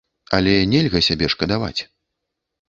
Але нельга сябе шкадаваць.